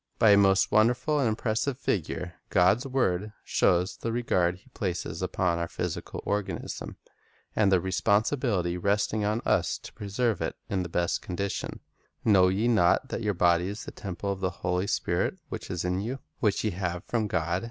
By a most beautiful and impressive figure, God's word shows the regard He places upon our physical 1 Luke [2:2 ;. Study of Physiology 20: organism, and the responsibility resting on us to pre serve it in the best condition: " Know ye not that your body is a temple of the Holy Spirit which is in you, which ye have from God?